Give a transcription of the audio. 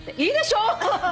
いいでしょう！？